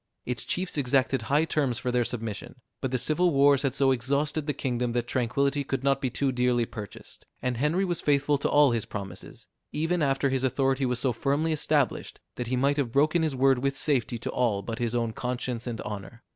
Its chiefs exacted high terms for their submission; but the civil wars had so exhausted the kingdom, that tranquillity could not be too dearly purchased; and Henry was faithful to all his promises, even after his authority was so firmly established, that he might have broken his word with safety to all but his own conscience and honor.